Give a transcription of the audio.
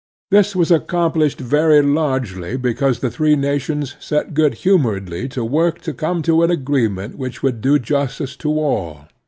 This was accomplished very largely because the three nations set good humoredly to work to come to an agreement which would do justice to all.